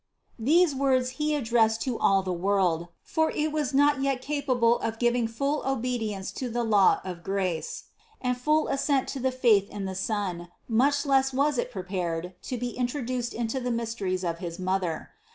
These words He addressed to all the world, for it was not yet capable of giving full obedience to the law of grace and full assent to the faith in the Son, much less was it prepared to be introduced into the mysteries of his Mother.